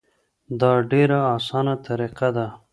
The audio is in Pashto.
دا ډیره اسانه طریقه ده.